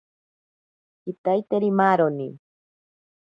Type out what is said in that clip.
Kitaiteri maaroni.